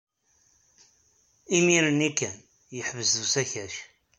Imir-nni kan, yeḥbes-d usakac.